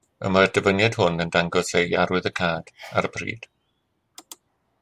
Y mae'r dyfyniad hwn yn dangos ei arwyddocâd ar y pryd.